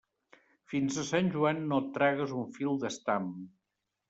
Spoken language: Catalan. Fins a Sant Joan no et tragues un fil d'estam.